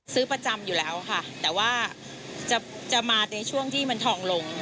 ซื้อประจำอยู่แล้วค่ะแต่ว่าจะมาในช่วงที่มันทองลง